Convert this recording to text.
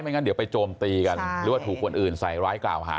งั้นเดี๋ยวไปโจมตีกันหรือว่าถูกคนอื่นใส่ร้ายกล่าวหา